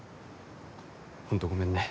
本当、ごめんね。